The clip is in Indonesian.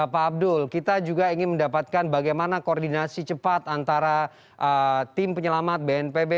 pak abdul kita juga ingin mendapatkan bagaimana koordinasi cepat antara tim penyelamat bnpb